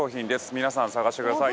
皆さん、探してください。